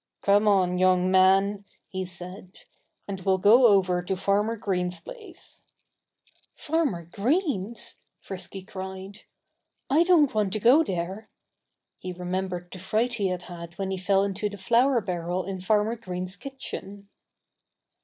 "Come on, young man!" he said, "and we'll go over to Farmer Green's place." "Farmer Green's!" Frisky cried. "I don't want to go there." He remembered the fright he had had when he fell into the flour barrel in Farmer Green's kitchen.